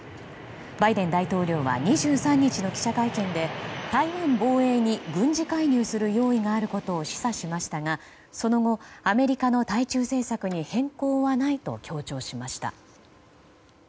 バイデン大統領は２３日の記者会見で台湾防衛に軍事介入する用意があることを示唆しましたがその後、アメリカの対中政策に変更はないと強調しました。